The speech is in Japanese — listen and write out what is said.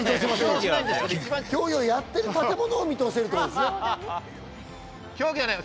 競技をやってる建物を見通せるってことですよね。